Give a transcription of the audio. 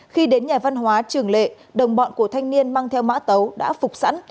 khi đến nhà văn hóa trường lệ đồng bọn của thanh niên mang theo mã tấu đã phục sẵn